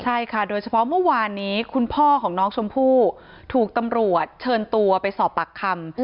ใช่ค่ะโดยเฉพาะเมื่อวานนี้คุณพ่อของน้องชมพู่ถูกตำรวจเชิญตัวไปสอบปากคำ